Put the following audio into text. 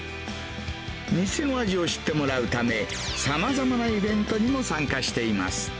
店の味を知ってもらうため、さまざまなイベントにも参加しています。